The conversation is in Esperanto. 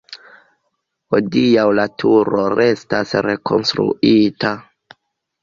Hodiaŭ la turo estas rekonstruita.